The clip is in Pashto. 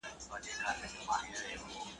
ورور وژلی ښه دئ، که گومل پري ايښی؟